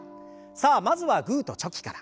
さあまずはグーとチョキから。